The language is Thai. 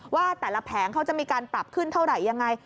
ว่าแต่ละแผงเขาจะมีการปรับขึ้นเท่าไหร่ยังไง